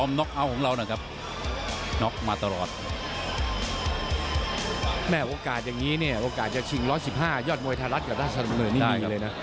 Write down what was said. แม่โอกาสอย่างนี้เนี่ยโอกาสจะชิง๑๑๕ยอดมวยไทยรัฐกับราชดำเนินนี่ดีเลยนะ